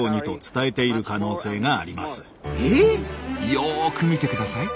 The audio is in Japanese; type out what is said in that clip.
よく見てください。